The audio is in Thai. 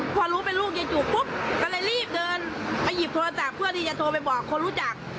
พอรู้เป็นลูกยายจุกปุ๊บก็เลยรีบเดินไปหยิบโทรศัพท์เพื่อที่จะโทรไปบอกคนรู้จัก